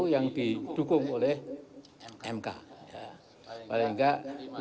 yang didukung oleh mk paling enggak lima ribu lima ratus empat puluh lima